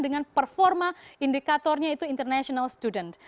dengan performa indikatornya itu international student